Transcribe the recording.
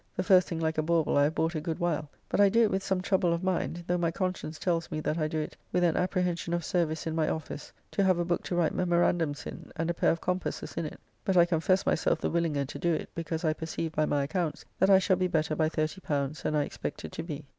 the first thing like a bawble I have bought a good while, but I do it with some trouble of mind, though my conscience tells me that I do it with an apprehension of service in my office to have a book to write memorandums in, and a pair of compasses in it; but I confess myself the willinger to do it because I perceive by my accounts that I shall be better by L30 than I expected to be.